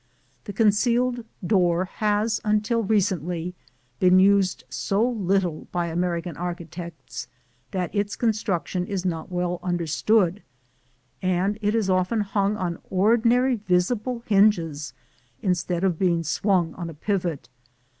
The concealed door has until recently been used so little by American architects that its construction is not well understood, and it is often hung on ordinary visible hinges, instead of being swung on a pivot.